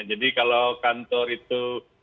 jadi kalau kantor itu